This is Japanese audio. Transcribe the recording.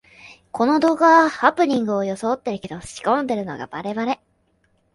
この動画、ハプニングをよそおってるけど仕込んでるのがバレバレ